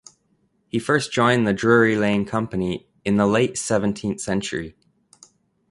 He first joined the Drury Lane company in the late seventeenth century.